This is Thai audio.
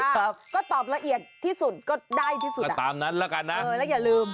ครับก็ตอบละเอียดที่สุดก็ได้ที่สุดอ่ะตามนั้นแล้วกันนะเออแล้วอย่าลืม